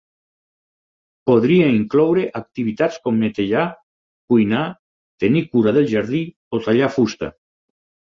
Podria incloure activitats com netejar, cuinar, tenir cura del jardí, o tallar fusta.